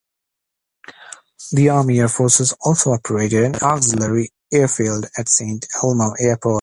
The Army Air Forces also operated an auxiliary airfield at Saint Elmo Airport.